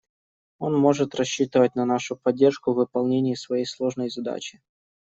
Он может рассчитывать на нашу поддержку в выполнении своей сложной задачи.